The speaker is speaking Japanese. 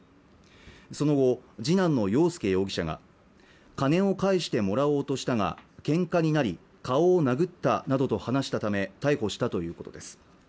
その後次男の洋介容疑者が金を返してもらおうとしたがけんかになり顔を殴ったなどと話したため逮捕したということです